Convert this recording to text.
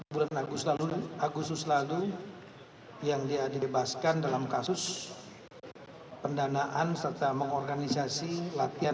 bulan agustus lalu agustus lalu yang dia dibebaskan dalam kasus pendanaan serta mengorganisasi latihan